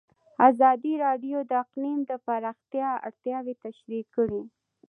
ازادي راډیو د اقلیم د پراختیا اړتیاوې تشریح کړي.